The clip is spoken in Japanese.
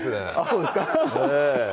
そうですか？